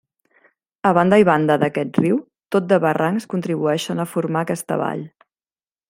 A banda i banda d'aquest riu, tot de barrancs contribueixen a formar aquesta vall.